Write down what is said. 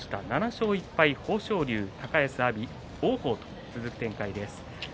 ７勝１敗豊昇龍高安、阿炎、王鵬と続く展開です。